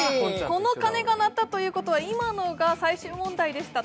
この鐘が鳴ったということは今のが最終問題でした。